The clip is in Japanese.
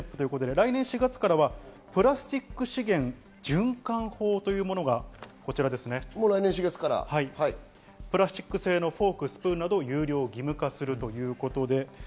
来年４月からはプラスチック資源循環法というものが、プラスチック製のフォーク、スプーンなど有料義務化するということです。